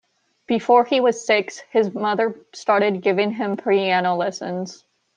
Before he was six, his mother started giving him piano lessons.